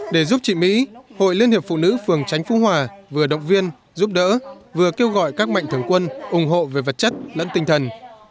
để giúp chị mỹ hội liên hiệp phụ nữ phường tránh phú hòa vừa động viên giúp đỡ vừa kêu gọi các mạnh thường quân ủng hộ về vật chất lẫn tinh thần